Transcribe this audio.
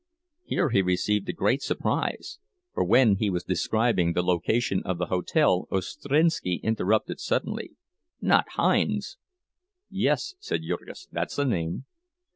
Here he received a great surprise, for when he was describing the location of the hotel Ostrinski interrupted suddenly, "Not Hinds's!" "Yes," said Jurgis, "that's the name."